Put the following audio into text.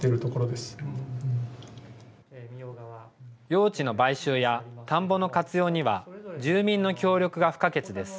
用地の買収や田んぼの活用には、住民の協力が不可欠です。